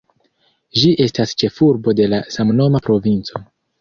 Ĝi estas ĉefurbo de la samnoma provinco.